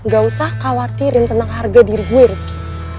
gak usah khawatirin tentang harga diri gue rifki